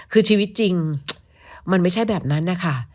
คือชีวิตจริงมันไม่ใช่แบบนั้นนะคะ